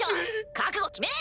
覚悟決めれ！